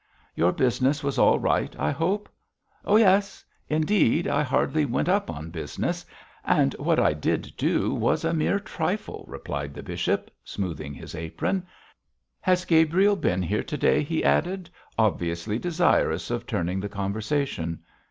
'Your business was all right, I hope?' 'Oh, yes! Indeed, I hardly went up on business, and what I did do was a mere trifle,' replied the bishop, smoothing his apron. 'Has Gabriel been here to day?' he added, obviously desirous of turning the conversation.